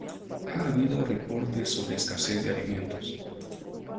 Ha habido reportes sobre escasez de alimentos.